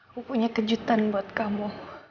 aku punya kejutan buat kamu